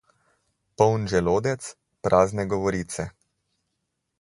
Poln želodec, prazne govorice.